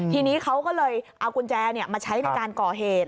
ทีนี้เขาก็เลยเอากุญแจมาใช้ในการก่อเหตุ